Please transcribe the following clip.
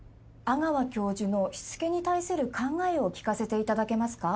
阿川教授の躾に対する考えを聞かせて頂けますか？